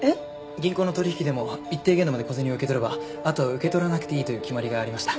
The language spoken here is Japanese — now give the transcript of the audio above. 銀行の取引でも一定限度まで小銭を受け取ればあとは受け取らなくていいという決まりがありました。